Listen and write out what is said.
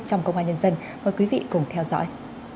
trong công an nhân dân mời quý vị cùng theo dõi